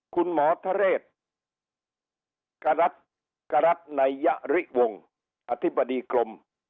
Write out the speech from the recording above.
คุณหมอทะเรศกรัฐนายยริวงศ์อธิบดีกรม